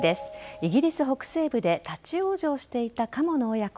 イギリス北西部で立ち往生していたカモの親子。